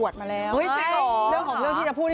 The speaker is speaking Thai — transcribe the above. เช่นพี่เอ๊ะวิบเหล่าห้า